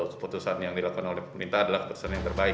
keputusan yang dilakukan oleh pemerintah adalah keputusan yang terbaik